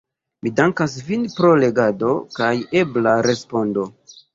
Mi dankas vin pro legado kaj ebla respondo.